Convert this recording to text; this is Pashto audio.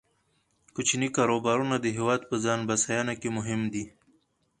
کوچني کاروبارونه د هیواد په ځان بسیاینه کې مهم دي.